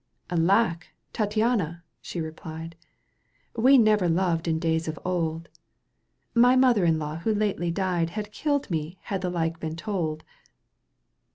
"Alack ! Tattiana," she replied, "We never loved in days of old. My mother in law who lately died " Had killed me had the like been told."